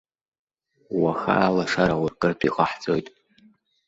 Уаха алашара ауркыртә иҟаҳҵоит!